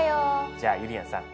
じゃあゆりやんさん